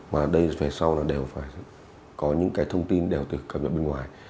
mà đây về sau là đều phải có những cái thông tin đều từ cảm nhận bên ngoài